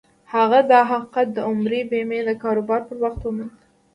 هغه دا حقيقت د عمري بيمې د کاروبار پر وخت وموند.